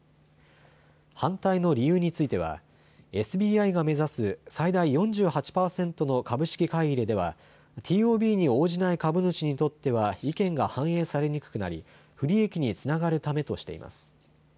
反対の理由についてはＳＢＩが目指す最大４８％の株式買い入れではＴＯＢに応じない株主にとっては意見が反映されにくくなり不利益につながるためとしています。